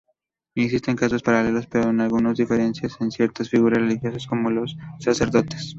Existen casos paralelos pero con algunas diferencias en ciertas figuras religiosas como los sacerdotes.